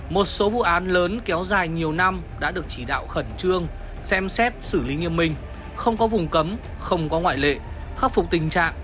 một số vụ án lớn kéo dài nhiều năm đã được chỉ đạo khẩn trương xem xét xử lý nghiêm minh không có vùng cấm không có ngoại lệ khắc phục tình trạng